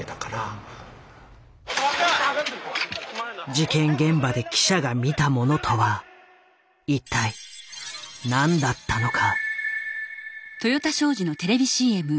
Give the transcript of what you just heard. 事件現場で記者が見たものとは一体何だったのか。